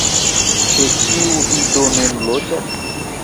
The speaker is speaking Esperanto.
Ĉe kiu vi do nun loĝas?